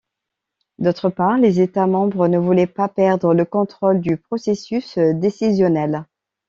D'autre part, les États membres ne voulaient pas perdre le contrôle du processus décisionnel.